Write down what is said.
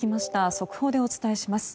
速報でお伝えします。